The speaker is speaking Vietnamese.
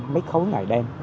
ba hai trăm linh m ba ngày đêm